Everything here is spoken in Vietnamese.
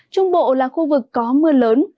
trung bộ là khu vực có mưa lớn